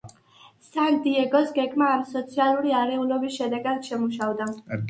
სან-დიეგოს გეგმა ამ სოციალური არეულობის შედეგად შემუშავდა.